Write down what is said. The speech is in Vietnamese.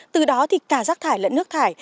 từ đó thì cả rác thải lẫn nước thải